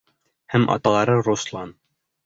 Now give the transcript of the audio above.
Һәм аталары Руслан.